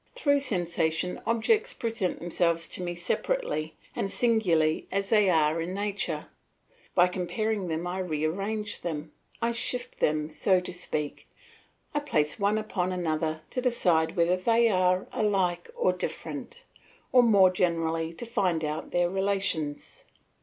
Through sensation objects present themselves to me separately and singly as they are in nature; by comparing them I rearrange them, I shift them so to speak, I place one upon another to decide whether they are alike or different, or more generally to find out their relations.